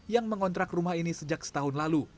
yang mengontrak rumah ini sejak setahun lalu